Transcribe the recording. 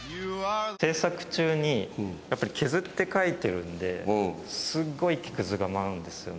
制作中にやっぱり削って描いてるのですっごい木くずが舞うんですよね。